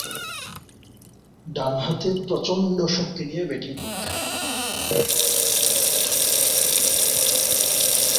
ডানহাতে প্রচণ্ড শক্তি নিয়ে ব্যাটিং করতেন।